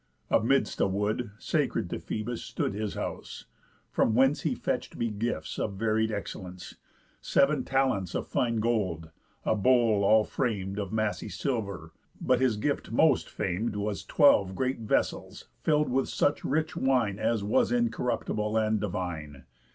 Amidst a wood, Sacred to Phœbus, stood his house; from whence He fetch'd me gifts of varied excellence; Sev'n talents of fine gold; a bowl all fram'd Of massy silver; but his gift most fam'd Was twelve great vessels, fill'd with such rich wine As was incorruptible and divine.